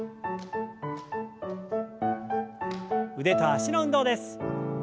腕と脚の運動です。